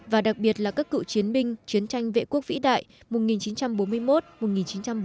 và đặc biệt là các cựu chiến binh chiến tranh vệ quốc vĩ đại một nghìn chín trăm bốn mươi một một nghìn chín trăm bốn mươi